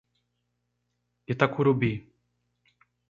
Itacurubi